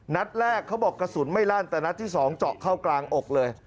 นัดแรกเขาบอกกระสุนไม่ลั่นแต่นัดที่๒เจาะเข้ากลางอกเลย